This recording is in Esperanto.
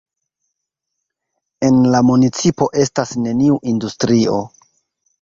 En la municipo estas neniu industrio.